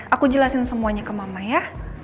aku jelasin semuanya ke mama ya